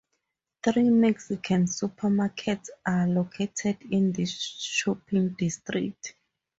Three Mexican Supermarkets are located in this shopping district.